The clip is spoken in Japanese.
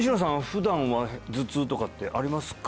普段は頭痛とかってありますか？